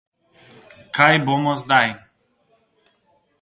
Kaj bomo zdaj?